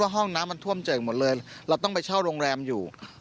ห้องน้ำมันท่วมเจิ่งหมดเลยเราต้องไปเช่าโรงแรมอยู่